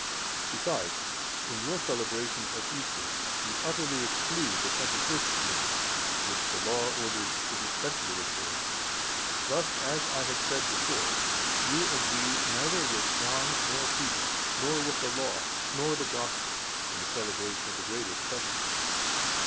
Besides, in your celebration of Easter, you utterly exclude the twenty first moon, which the Law ordered to be specially observed. Thus, as I have said before, you agree neither with John nor Peter, nor with the Law, nor the Gospel, in the celebration of the greatest festival."